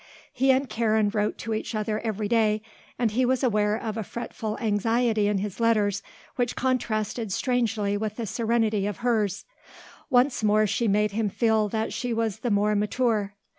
He and Karen wrote to each other every day and he was aware of a fretful anxiety in his letters which contrasted strangely with the serenity of hers. Once more she made him feel that she was the more mature.